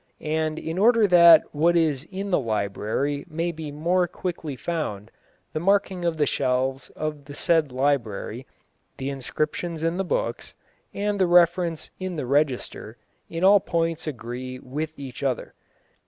And in order that what is in the library may be more quickly found, the marking of the shelves of the said library, the inscriptions in the books, and the reference in the register, in all points agree with each other.